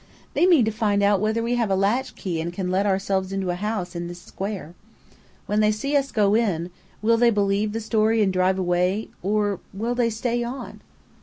"They mean to find out whether we have a latchkey and can let ourselves into a house in this square. When they see us go in, will they believe the story and drive away, or will they stay on?"